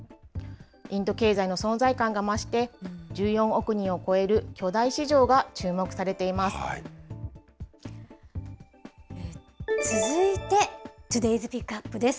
インド経済の存在感が増して、１４億人を超える巨大市場が注目さ続いて、トゥデイズ・ピックアップです。